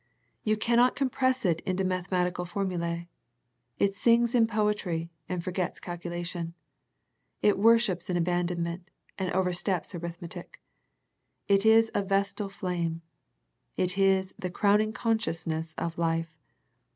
You cannot compress it into mathe matical formulae. It sings in poetry, and for gets calculation. It worships in abandonment, and oversteps arithmetic. It is a vestal flame. It is the crowning consciousness of life.